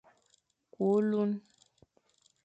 Kü ôlun,